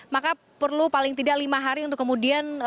maka perlu paling tidak lima hari untuk kemudian